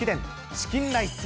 チキンライス。